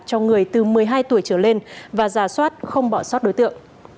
cho người từ một mươi hai tuổi trở lên và giả soát không bỏ sót đối tượng